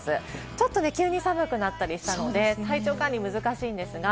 ちょっと急に寒くなったりしたので、体調管理が難しいんですが。